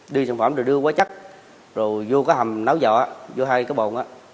đưa sản phẩm rồi đưa quá chắc rồi vô cái hầm nấu dọa vô hai cái bộn á